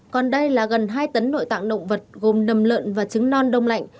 còn đây là gần hai tấn nội tạng động vật gồm nầm lợn và trứng non đông lạnh